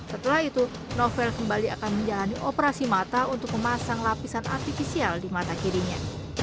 setelah itu novel kembali akan menjalani operasi mata untuk memasang lapisan artifisial di mata kirinya